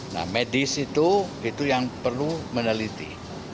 nah medis itu itu yang perlu meneliti